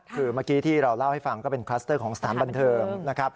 คือเมื่อกี้ที่เราเล่าให้ฟังก็เป็นคลัสเตอร์ของสถานบันเทิงนะครับ